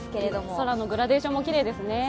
空のグラデーションもきれいですね。